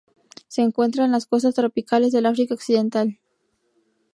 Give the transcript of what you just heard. Se encuentra en las costas tropicales del África Occidental.